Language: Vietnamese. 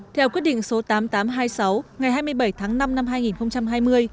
theo quyết định số tám nghìn tám trăm hai mươi sáu ngày hai mươi bảy tháng năm năm hai nghìn hai mươi